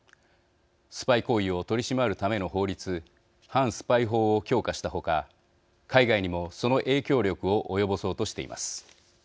スパイ行為を取り締まるための法律反スパイ法を強化したほか海外にもその影響力を及ぼそうとしています。